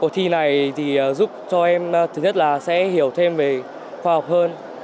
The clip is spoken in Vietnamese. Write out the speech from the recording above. thì này thì giúp cho em thứ nhất là sẽ hiểu thêm về khoa học hơn